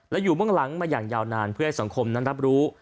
และอยู่เบื้องหลังมาอย่างยาวนานเพื่อให้สังคมนั้นรับรู้